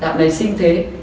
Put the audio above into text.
dạo này xinh thế